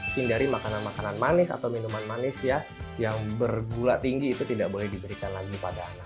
hindari makanan makanan manis atau minuman manis ya yang bergula tinggi itu tidak boleh diberikan lagi pada anak